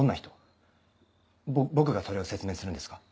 ぼ僕がそれを説明するんですか？